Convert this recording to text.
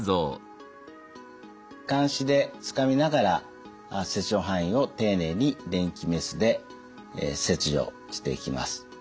かんしでつかみながら切除範囲を丁寧に電気メスで切除していきます。